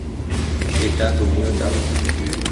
এটা তুমিও জানো।